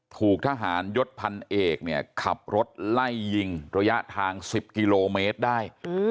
ถูกทหารยศพันเอกเนี่ยขับรถไล่ยิงระยะทาง๑๐กิโลเมตรได้